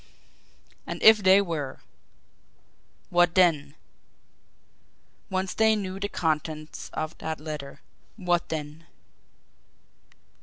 And if they were! What then? Once they knew the contents of that letter what then?